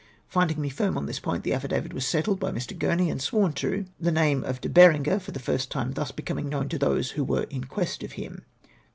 Finding me firm on this point, the affidavit was settled by Mr. Gurney, and sworn to, the name of De Berenger for the first time thus becoming known to those who were in quest of liim.